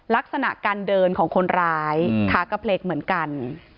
ลักษณะการเดินของคนร้ายขากระเพลกเหมือนกัน